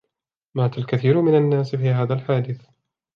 مات الكثير من الناس في هذا الحادث.